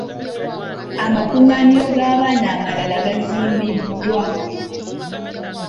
Amakungaaniro g'abaana amalala gazimbiddwa.